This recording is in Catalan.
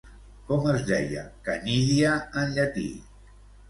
Com es deia Canídia en llatí?